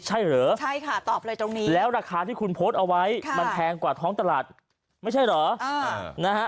ใช่เหรอแล้วราคาที่คุณโพสต์เอาไว้มันแพงกว่าท้องตลาดไม่ใช่เหรอ